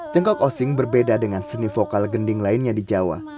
cengkok osing berbeda dengan seni vokal gending lainnya di jawa